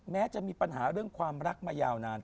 แม้จะมีปัญหาเรื่องความรักมายาวนาน